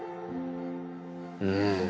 うん。